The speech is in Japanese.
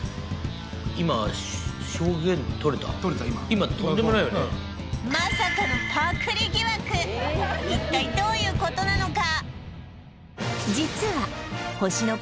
とれた今今とんでもないよねまさかの一体どういうことなのか？